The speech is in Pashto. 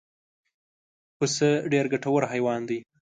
پسه ډېر ګټور حیوان دی.